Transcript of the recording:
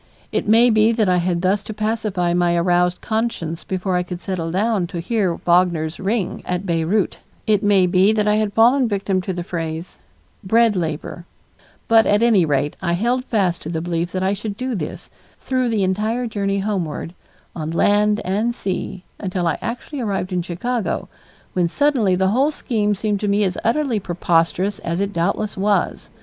It may be that I had thus to pacify my aroused conscience before I could settle down to hear Wagner's "Ring" at Beyreuth; it may be that I had fallen a victim to the phrase, "bread labor"; but at any rate I held fast to the belief that I should do this, through the entire journey homeward, on land and sea, until I actually arrived in Chicago when suddenly the whole scheme seemed to me as utterly preposterous as it doubtless was.